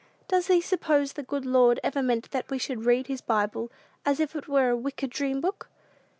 Does thee suppose the good Lord ever meant that we should read his Bible as if it were a wicked dream book?"